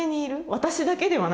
私だけではない。